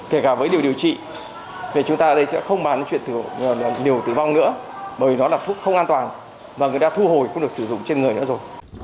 kể cả với liều điều trị chúng ta ở đây sẽ không bán chuyện liều tử vong nữa bởi nó là thuốc không an toàn và người ta thu hồi cũng được sử dụng trên người nữa rồi